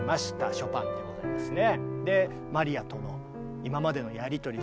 ショパンでございますね。